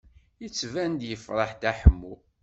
Yettban-d yefṛeḥ Dda Ḥemmu.